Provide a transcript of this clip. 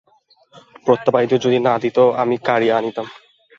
প্রতাপাদিত্য যদি না দিত, আমি কাড়িয়া আনিতাম।